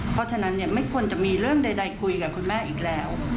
เพราะฉะนั้นไม่ควรจะมีเรื่องใดคุยกับคุณแม่อีกแล้ว